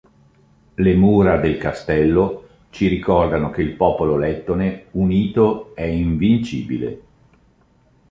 Le mura del castello ci ricordano che il popolo lettone unito è invincibile.